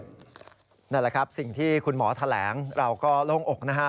นั่นแหละครับสิ่งที่คุณหมอแถลงเราก็โล่งอกนะฮะ